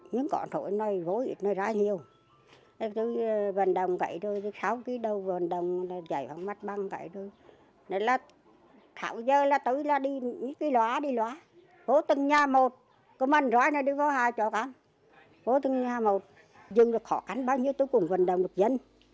nhưng khó khăn bao nhiêu tôi cũng vận động được dân